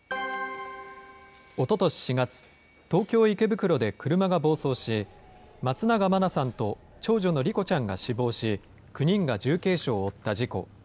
おととし４月、東京・池袋で車が暴走し、松永真菜さんと長女の莉子ちゃんが死亡し、９人が重軽傷を負った事故。